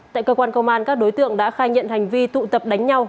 tại cơ quan công an các đối tượng đã khai nhận hành vi tụ tập đánh nhau